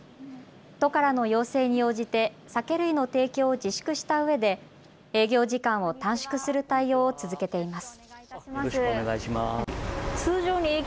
都からの要請に応じて酒類の提供を自粛したうえで営業時間を短縮する対応を続けています。